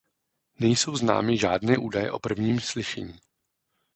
Nejsou známy žádné údaje o prvním slyšení.